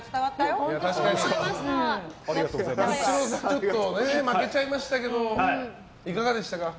ニッチローさん負けちゃいましたけどいかがでしたか？